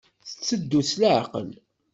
Tetteddu s leɛqel.